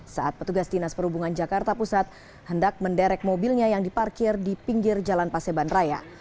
saat petugas dinas perhubungan jakarta pusat hendak menderek mobilnya yang diparkir di pinggir jalan paseban raya